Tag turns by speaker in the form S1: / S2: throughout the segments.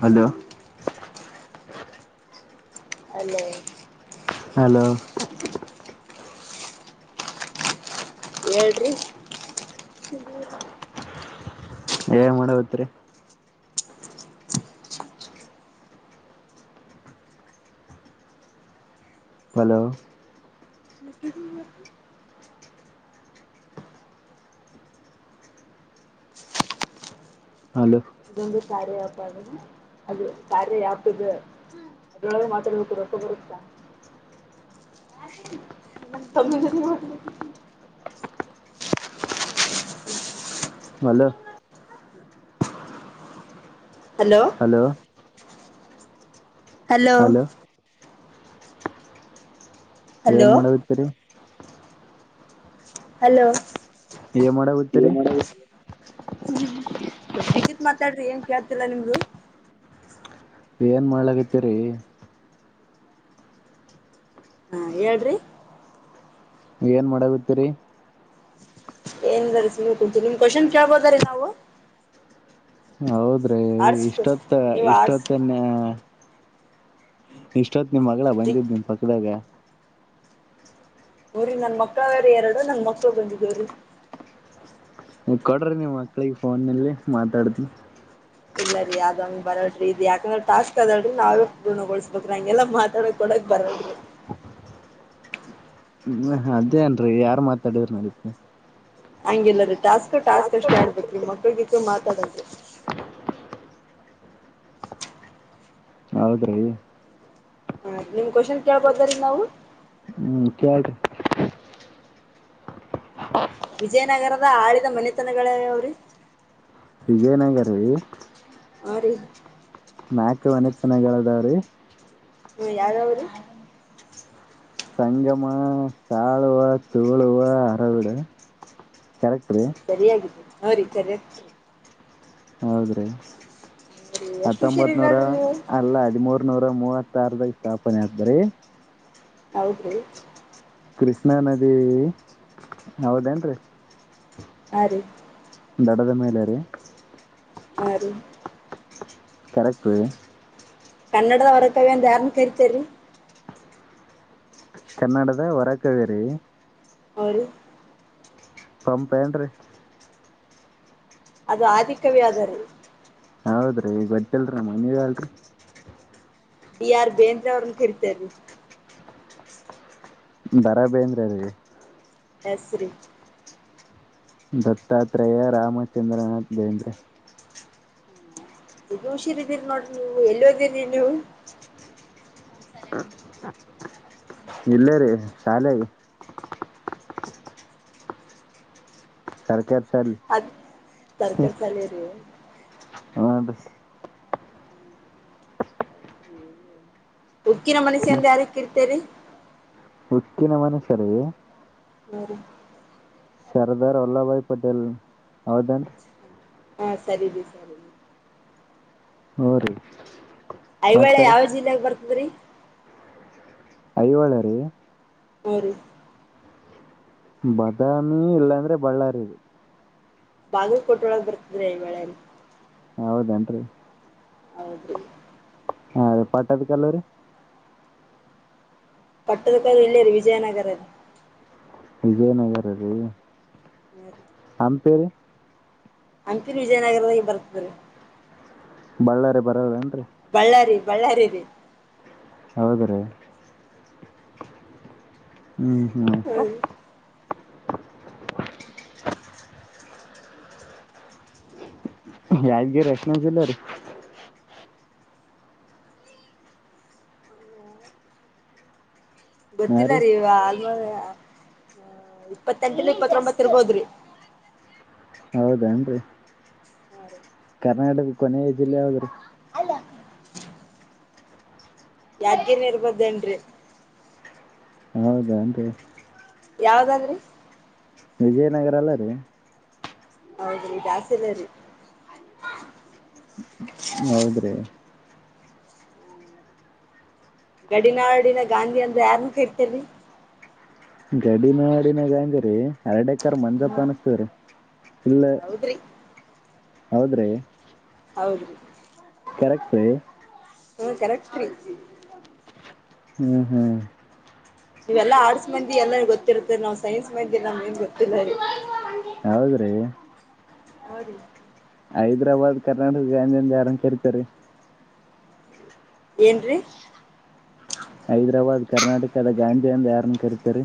S1: Hello
S2: ಅಲ್ಲೊ
S1: hello
S2: ಎಳ್ರಿ
S1: ಏ ಮಾಡಬತ್ರಿ ಹಲೋ ಹಲ
S2: ಇದೊಂದು ಕಾರೆ ಆಪ್ ಅ ಅದು ಕಾರೆ ಆಪ್ ಇದು ಅದಳರು ಮಾತ್ರಬೇಕ ರೊಸಗತ ತಮ್ಮ
S1: ಹಲೋ ಹಲೋ
S2: ಹಲೋ
S1: ಏನ್
S2: ಹಲೋ
S1: ಮಾಡದತರಿ
S2: ಹಲೋ
S1: ಏ ಮಾಡ ಹತರಿ
S2: ಹ ನಿಗಿತ್ ಮಾತಾಡ್ರಿ ಏನ್ ಕೇಳ್ತಿಲ್ಲಾ ನಿಮ್ದು
S1: ಏನ್ ಮಾಡ್ಲಗತಿೇರಿ
S2: ಹಾ ಹೇಳ್ರಿ
S1: ಏನ್ ಮಾಡ ಬಿತ್ತೀರಿ
S2: ಏನ್ಂದಾರ ಸ ಕುಂಂತ ನಿಮ್ ಕ್ವಷನ್ ಕೇಳ್ಬದ ರೀ ನಾವು
S1: ಹೌದ್ರಿ
S2: ಆರ್ಟ್ಸ್
S1: ಇಷ್ಟೊತ್ತ
S2: ನೀವ್ ಆರ್ಟ್ಸ್
S1: ಇಷ್ಟೊತ್ತ ಇಷ್ಟೊತ್ ನಿಮ್ ಮಗಳ ಬಂದಿದ್ ನಿಮ್ ಪಕ್ಕದಾಗ
S2: ಹಊರ ನನ್ ಮಕ್ಳ್ರ ಎರಡು ನನ್ ಮಕ್ಳ ಬಂದಿದ್ದವ್ರಿ
S1: ಕೊಡ್ರಿ ನೀವು್ ಮಕ್ಳಿಗೆ ಫೋನ್ಲ್ಲಿ ಮಾತಾಡ್ತಿವಿ.
S2: ಇಲ್ಲರೀ ಅ ಆದಂಗ ಬರಡ್ರಿ ಇದು ಯಾಕಂದ್ರೆ ಟಾಸ್ಕ್ ಅದಾವಡ್ರ ನಾವೇ ಗುಣಗೊಳಸ್ಬೇಕಕ್ ಹಂಗೆಲ್ಲ ಮಾತಾಡಕ್ ಕೊಡಕ್ ಬರಡರಿ
S1: [unintelligible] ಹ್ಮ್ ಅದೇ ನ್ರಿ ಯಾರ್ ಮಾತಾಡಿದ್ರಿ ನಡಕ್ಕೆ
S2: ಹಂಗಗೆಿಲ್ಲ ರೀ ಟಾಸ್ಕ್ ಟಾಸ್ಕ್ ಅಷ್ಟೇ ಆಡ್ಬೇಕ್ರಿ ಮಕ್ಳಗಿತ್ತು ಮಾತಾಡದ
S1: ಹೌದ್ರೀ
S2: ಹ ನಿಮ್ ಕ್ವನ್ ಕೇಳ್ಬೋದ ರೀ ನಾವು
S1: ಹ್ಮ್ ಕೇಲ್ ರೀ
S2: ವಿಜಯನಗರದ ಆಡಿದ ಮನೆತನಗಳೇ ಅವ್ರಿ
S1: ಈಜಯನಗರೀ
S2: ಆ ರೀ
S1: ನಾಲ್ಕು ವನೆತನಗಳದಾವ ರೀ
S2: ಹ ಯ್ದಾವರು
S1: ಸಂಗಮ ತಾಳುವ ತೋಳುವ ಅರವಿಡು ಕರೆಕ್ಟ್ ರೀ
S2: ಸರಿಯಿದ್ದ ನ ರೀ ಸರಿ
S1: ಹೌದ್ರೀ
S2: ರೀ ಎಷ್ಟು
S1: ಹತ್ತೊಂಬತ್ ನೂರ
S2: ಹುಷಾರಿರಲ್ರಿ ನೀವು
S1: ಅಲ್ಲ ಹದಿಮೂರ್ ನೂರ ಮೂವತ್ತು ವಿತಾರದ ಸ್ಥಾಪನೆ ಆದರೆ
S2: ಹೌದು
S1: ಕೃಷ್ಣಾ ನದಿ ಹೌದೇನ್ರೀ
S2: ಆ ರೀ
S1: ದಡದ ಮೇಲ ರ
S2: ಹ್ಮ
S1: ಕರಕ್ಪ
S2: ಕನ್ನಡದ ವರಕವೆಂತ ಯಾರು ಕರಿತರಿ
S1: ಕನ್ನಡದ ಹೊರಕವೇರಿ
S2: ಹರು
S1: ಪಂಪ ಏನ್್ರೀ
S2: ಅದು ಆಧಿ ಕವಿ ಆದರೆ
S1: ಹೌದ್ರೀ ಈ ಗೊತೀಲ್ರೀ ಮನ ಅಲ್ರರಿ
S2: ಆರ್ ಬೇಂದ್ರ ಅವ್ರನ್ನ ಕರಿತ
S1: ಬಾರಾ ಬೇಂದ್ರ ರಿ
S2: ಬಸರಿ
S1: ದತ್ತಾತ್ರೇಯ ರಾಮಚಂದ್ರನಾಥ್ ಬೇಂದ್ರೆ.
S2: ಗ ಹುಷಿರಿದ್ದೀರಿ ನೋಡ್ರಿ ನೀವು ಎಲ್ಲಿ ಹದಿರಿ ನೀ
S1: ಇಲ್ಲ ರೀ ಶಾಲ ಸಾರಕೆ
S2: ಅದ ತರಕಾರಿ ಸಲಿರಿ
S1: ಹ್ಞೂ
S2: ಉಕ್ಕಿನ ಮನುಷ್ಯ ಎಂದ ಯಾರಗಿ ಕರೀತಾರ್ರಿ
S1: ಉಕ್ಕಿನ ಮನುಷ್ಯರಿ
S2: ಹರಿ
S1: ಸರ್ದಾರ್ ವಲ್ಲಭ ಭಾಯ್ ಪಟೇಲ್ ಹೌದೇನರಿ
S2: ಹಾ ಸರಿ ಬಿ ಸರಿ
S1: ಹೂ ರೀ
S2: ಐಹೋಳೆ
S1: ಮತ್ತೆ ರೀ
S2: ಯಾವ ಜಿಲ್ಲೆಗ ಬರ್ತದ್ರಿ
S1: ಐಹೋಳೆ ರೀ
S2: [unintelligible]
S1: ಬಾದಾಮಿ ಇಲ್ಲಾಂದ್ರೆ ಬಳ್ಳಾರಿ
S2: ಬಾಗಕೊಟೆಒಳಗ್ ಬರ್ತಿದ್ರಿ ಐಹೊಳೆ
S1: ಹೌದೇನ್ರಿ
S2: ಹೌದರೀ
S1: ಹಾ ಅದೇ ಪಟ್ಟದಕ್ಕಲ್ಲುರಿ
S2: ಪಟ್ಟದಕ ಇಲ್ಲೇ ರಿ ವಿಜಯನಗರಿ
S1: ವಿಜಯನಗರ ರೀ
S2: ರಿ
S1: [unintelligible]
S2: ಹಂಪಿನ್ ವಿಜಯನಗರದಾಗ ಬರ್ತದ್ರ ರೀ
S1: ಬಳ್ಳಾರಿ ಬರಲ್ಲೇನ್ರಿ
S2: ಬಳ್ಳಾರಿ ಬಳ್ಳಾರಿ ರೀ
S1: ಹೌದ್ರೀ ಹ್ಮ್ ಹ್ಮ್
S2: ಹ್ಞೂ ರೀ
S1: [unintelligible] ಯಾದಗಿರಿ ಎಷ್ಟನೇ ಜಿಲ್ಲಾರಿ
S2: ಗೊತ್ತಿಲ್ಲ ರೀ ಅಲ್ ಇಪ್ಪತ್ತೆಂಟ ಇಪ್ಪತ್ತೊಂಬತ್ತ ಇರಬಹುದರೀ
S1: ಹೌದೇನ್ರಿ
S2: ರೀ
S1: ಕರ್ನಾಟದ ಕೊನೆಯ ಜಿಲ್ಲೆ ಯಾವದ್ರಿ
S2: ಯಾದಗಿರಿ ಇರಬಹುದು ಎಂನ್ರಿ
S1: ಹೌದಾನ್ ರೀ
S2: ಯಾವ್ದಾದ್ರಿ
S1: ವಿಜಯನಗರ ಅಲ್ಲ ರೀ
S2: ಹೌದ್ರಿ ದ್ಯಾಸಲರಿ
S1: ಹೌದ್ರಿ
S2: ಗಡಿನಾಡಿನ ಗಾಂಧಿ ಅಂದ್ರ ಯಾರ್ನ್ ಕರಿತಾರಿ
S1: ಗಡಿನಾಡಿನ ಗಾಂಧಿ ರಿ ಎರಡೆ ರ್ ಮಂಜಪ್ಪ ಅನ್ಸ್ತಾರ ಇಲ್ಲ
S2: ಹ್ಮ್ ಹೌದ್ರಿ
S1: ಹೌದ್ರಿ
S2: ಹೌದ್ರೀ
S1: ಗ್ತದೆ [unintelligible]
S2: ಹ್ಮ ಕರೆಕ್ಟರಿ
S1: ಹ್ಮ್ ಹ್ಮ್
S2: ನೀವೆಲ್ಲಾ ಆರ್ಟ್ಸ್ ಮಂದಿ ಎಲ್ಲ ಗೊತ್ತಿರ್ತ್ತರಿ ನಾವ್ ಸೈನ್ಸ್ ಮಂದಿ ಎಲ್ಲ ಮನ್ಸ್ ಗೊತ್ತರರಿ
S1: ಹೌದ್ರಿ
S2: ಹೌದೀ
S1: ಹೈದ್ರಾಬಾದ್ ಕರ್ನಾಟಕ ಗಾಂಧಿಯ ಅಂದ ಆರಂ ಕರತಾರೆ
S2: ಏನ್ದ್ರಿ
S1: ಹೈದ್ರಾಬಾದ್ ಕರ್ನಾಟಕದ ಗಾಂಧಿ ಅಂದ ಯಾರನ್ನ ಕರಿತಾರೆ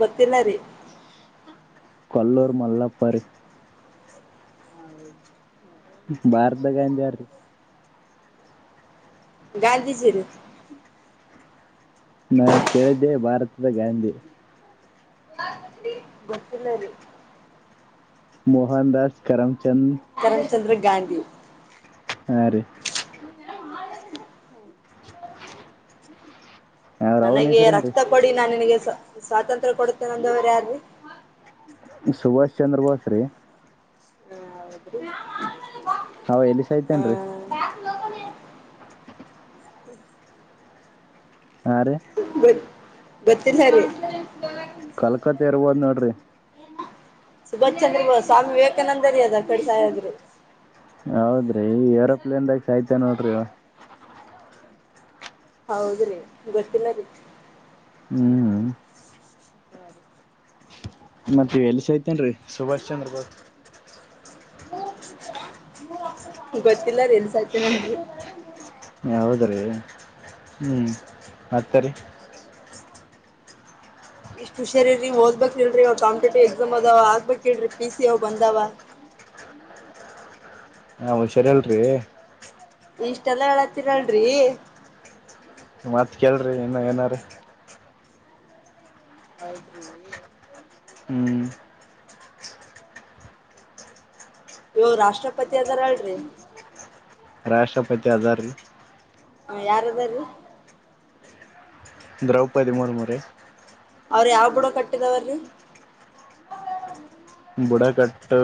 S2: ಗೊತ್ತಿಲ್ಲ ರೀ
S1: ಕೊಲ್ಲೂರು ಮಲ್ಲಪ್ಪರಿ ಭಾರದ ಗಾಂಧಿ ಯಾರ್ರೀ
S2: ಗಾಂಧೀಜಿರಿ
S1: ನಾ ಕೇಳಿದ್ದೆ ಭಾರತದ ಗಾಂಧಿ
S2: ಗೊತ್ತಿಲ್ಲಾರಿ
S1: ಮೋಹನ್ ದಾಸ್ ಕರಾಮಚಂದ್
S2: ಚಂದ್ರ ಗಾಂಧಿ
S1: ಆ ರಿ ಅವ್ರ ಅವನ್
S2: ನನಗೆ
S1: ಹೆಸರೇನ್ರಿ
S2: ರಕ್ತ ಕೊಡಿ ನಾ ನಿನಗೆ ಸ್ವಾತಂತ್ರ್ಯ ಕೊಡುತ್ತೇನೆಂದವ್ರ ಯಾರಿ
S1: ಸುಭಾಷ್ ಚಂದ್ರ ಬೋಸ್ ರೀ
S2: ಹಾ ಹೌದ್ರಿ [inaudible]
S1: ಹ ಎಲ್ಲಿಸಾಯತೆೇನ್
S2: ಹ [unintelligible]
S1: ಹಾ ರೀ
S2: ಗೋತ್ತಿಲ್ಲ ಸರಿ
S1: ಕಲ್ಕತ್ತೆ ಇರ್ಬಹುದ್ ನೋಡ್ರಿ
S2: ಸುಭಾಷ್ ಚಂದ್ರ ಬೋಸ್ ಸ್ವಾಮಿ ವಿವೇಕಾನಂದರಿಗೆ ಅದ ಕಡಿತಾಯದ್ರು
S1: ಹೌದ್ರಿ ಈ ಏರೋಪ್ಲೇನ್ದಾಗ ಸಾಯ್ತ ನೋಡ್ರಿ
S2: ಹೌದ್ರೀ ಗೊತ್ತಿಲ್ಲ ಬಿಡ್ರಿ
S1: ಹ್ಮ್
S2: ಸ್ಮರಿ [unintelligible]
S1: ಮತ್ತ ಎಲ್ಸತೇನ್ರಿ ಸುಭಾಷ್ ಚಂದ್ರ ಬೋಸ್
S2: ಗೊತ್ತಿಲ್ಲ ರಿ ಸಾಯ್ತಾದ್ರಿ
S1: ಹೌದ್ರಿ ಹ್ಮ್ ಮತ್ತರಿ
S2: ಇಷ್ಟ್ ಹುಷಾರಿ ನೀ್ ಓದ್ಬೇಕಕ್ ಇಲ್ರಿ್ ಕಾಂಪಟೇಟಿವ್ ಎಕ್ಸಾಮ್ ಅದವ ಆಗ್ಬಬೇಕಕ್ ಇಲ್ರರಿ ಪಿ ಸಿ ಅವ್ ಬಂದಾವ
S1: [unintelligible] ಹಾ ಹುಷಾ ರ್ ಇಲ್ರಿ
S2: ಇಷ್ಟೆಲ್ಲ ಹೇಳತ್ತೀರಲ್ರಿ
S1: ಮತ್ತ್ ಕೇಳರಿಿ ಇನ್ನು ಏನಾರೀ
S2: ಹೌದ್ರಿ
S1: ಹ್ಮ್
S2: ಇವು ರಾಷ್ಟ್ರಪತಿ ಅದಾರ ಅಲ್ರಿ
S1: ರಾಷ್ಟ್ರಪತಿ ಅದಾರ್ ರಿ
S2: ಹ ಯಾರದರೀ
S1: ದ್ರೌಪದಿ ಮುರ್ಮು ರ
S2: ಅವ್ರ ಯಾವ್ ಬಿುಡ ಕಟ್ಟಿದಾವರೀ
S1: ಬುಡಕಟ್ಟು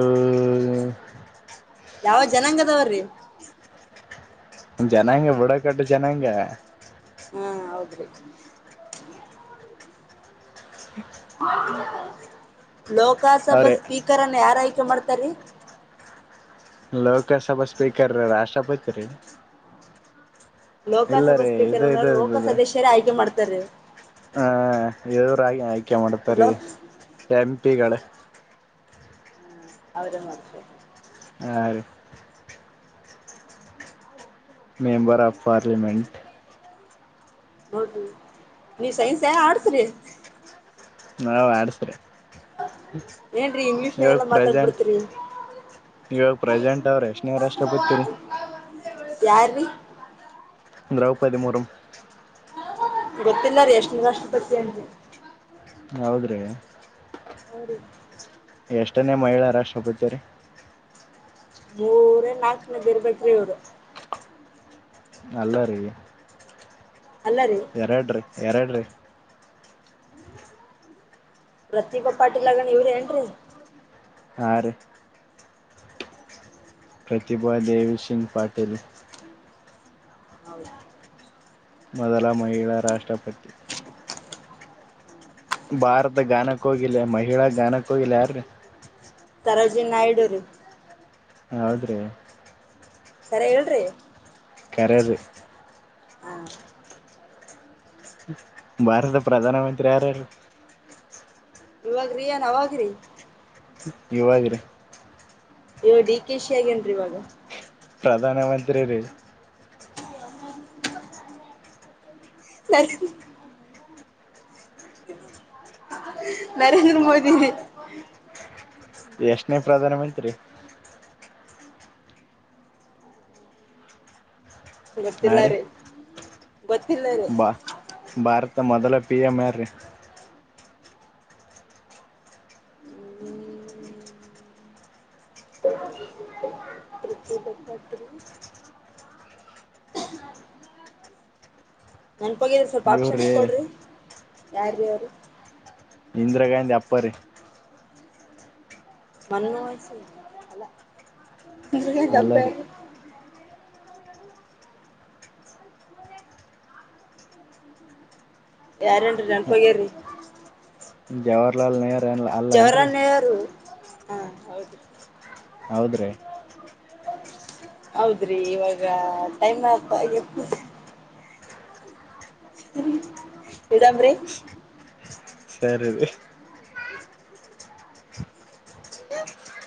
S2: ಯಾವ ಜನಾಂಗದವ್ರೀ
S1: ಜನಾಂಗ ಬುಡಕಟ್ಟು ಜನಾಂಗ
S2: ಹ್ಮ ಹೌದ್ರಿ ಲೋಕಸಭಾ
S1: ಅವ್ರೇ
S2: ಸ್ಪೀಕರನ್ನ ಯಾರ್ತ ಷ್ಟ ಮಾಡ್ತಾರೀ
S1: ಲೋಕಸಭಾ ಸ್ಪೀಕರ್ ರ ರಾಷ್ಟ್ರಪತಿ ರೀ ಇಲ್ಲ
S2: ಲೋಕಸಭಾ
S1: ರೀ
S2: ಸ್ಪೀಕರ್
S1: ಇದು
S2: ನ
S1: ಇದು
S2: ಲೋಕಸದಸ್ಯರೇ ಆಯ್ಕೆ ಮಾಡ್ತಾರ.
S1: ಹಾ ಇವರಾಗಿ ಆಯ್ಕೆ ಮಾಡ್ತಾರೀ
S2: ಹಲೋ
S1: ಎಂಪಿಗಳ
S2: ಹೌದ ನ
S1: ಹ ರಿ. Member of parliament.
S2: ನೋಡಿ ನೀ ಸೈನ್ಸ್ ಎ ಆರ್ಟ್ಸ್ ರಿ
S1: ನಾವ್ ಆಡಸ್ರಿ
S2: ಏನ್ರೀ
S1: ಇವಳ್
S2: ಇಂಗ್ಲೀಷ್ನಾಗೆಲ್ಲ
S1: ಪ್ರಸೆಂಟ್
S2: ಮಾತಾಡ್ಬಿಡ್ತೀರಿ
S1: ಇವಾಗ ಪ್ರಜೇಂಟ್ ಅವ್ರ ಎಷ್ಟನೇ ರಾಷ್ಟ್ರಪತಿರಿ.
S2: ಯಾರಿ
S1: ದ್ರೌಪದಿ ಮುರ್
S2: ಗೊತ್ತಿಲ್ಲ ರೀ ಎಷ್ಟನೇ ರಾಷ್ಟಪತಿ ಅ
S1: ಹೌದ್ರಿ.
S2: ಹುರಿ.
S1: ಎಷ್ಟನೇ ಮಹಿಳಾ ರಾಷ್ಟಪತಿರಿ.
S2: ಮೂರ ಏನ್ ನಾಲ್ಕನೇದ ಇರ್ಬೇಕರಿ ಇವಾಗ
S1: ಅಲ್ಲ ರೀ
S2: ಅಲ್ಲ ರೀ
S1: ಎರಡ್ರಿ ಎರಡ್ರೀ
S2: ಪ್ರತಿಭಾ ಪಾಟೀಲ ಅಗಣ ಇವ್ರ ಏನ್ರೀ.
S1: ಹರಿ. ಪ್ರತಿಭಾ ದೇವಿ ಸಿಂಗ್ ಪಾಟೀಲ್.
S2: [inaudible]
S1: ಮೊದಲ ಮಹಿಳಾ ರಾಷ್ಟ್ರಪತಿ. ಭಾರದ ಗಾನ ಕೋಗಿಲೆ ಮಹಿಳಾ ಗಾನಕೋಗಿ ಲೇ ಯಾರೀ
S2: ತರೋಜಿನ್ ನಾಯಡುೂ ರೀ.
S1: ಹೌದ್ರಿ.
S2: ತರೆ ಹೇಳ್ರಿ.
S1: ಕರೆರಿ.
S2: ಹ
S1: ಭಾರತದ ಪ್ರಧಾನ ಮಂತ್ರಿ ಯಾರ
S2: ಇವಾಗ್ರೇನ ಅವಾಗ್ರಿ
S1: ಇವಗ್ರಿ
S2: ಈ ಡಿ ಕೆ ಶ ಆಗೇನ್ರಿ ಇವಾಗ
S1: ಪ್ರಧಾನ ಮಂತ್ರಿ ರೀ.
S2: ನ [inaudible] ನರೇದ್ರ ಮೋದಿ.
S1: ಎಷ್ಟನೇ ಪ್ರಧಾನ ಮಂತ್ರಿ.
S2: ಗೊತ್ತಿಲ್ಲ ರೀ. ಗೊತ್ತಿಲ್ಲ ರೀ
S1: ಬಾ ಭಾರತ ಮೊದಲ ಪಿ ಎಂ ಯಾರಿ [inaudible]
S2: ನ ಹೋಗ ಸ್ವಲ್ಪ ಆಪ್ಷನ್ ಇ
S1: ಇವ್ರೀ
S2: ಕೊಡ್ರಿ ಯಾರ ರೀ ಅವ್ರ
S1: ಇಂದರ ಗಾಂಧಿ ಅಪ್ಪಾರಿ. ಅಲ್ಲ ರೀ
S2: [unintelligible] ಯಾರ ಹೇಳ್ರಿ ನೆನ್ಪೋಗ್ಯಿ
S1: ಜವಾಹರ್ಲಾಲ್ ನೆಹ
S2: ಜವಾರ ನೆಹರು ಹ ಹೌದ್ರಿ.
S1: ಹೌದ್ರಿ.
S2: ಹೌದ್ರಿ ಇವಾಗ ಟೈಮ್ ಪಾ ಆ ಇಡಂಬ್ರಿ
S1: ಸರಿರಿ.
S2: [inaudible]